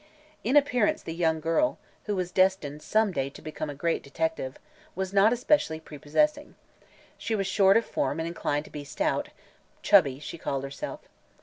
In appearance the young girl who was destined some day to become a great detective was not especially prepossessing. She was short of form and inclined to be stout "chubby," she called herself.